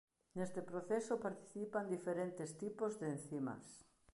Neste proceso participan diferentes tipos de encimas.